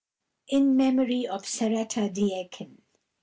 IN MEMORY OF SARETTA DEAKIN.